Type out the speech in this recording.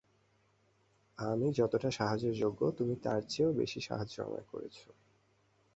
আমি যতটা সাহায্যের যোগ্য, তুমি তার চেয়েও বেশী সাহায্য আমায় করেছ।